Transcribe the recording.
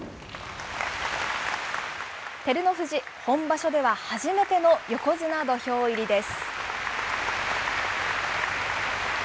照ノ富士、本場所では初めての横綱土俵入りです。